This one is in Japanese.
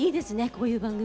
こういう番組。